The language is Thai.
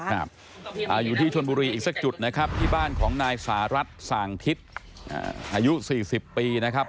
อยู่ที่ชนบุรีอีกสักจุดนะครับที่บ้านของนายสหรัฐสางทิศอายุ๔๐ปีนะครับ